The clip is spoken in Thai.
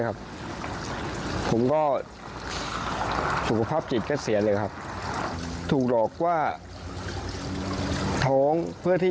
ครับผมก็สุขภาพจิตก็เสียเลยครับถูกหลอกว่าท้องเพื่อที่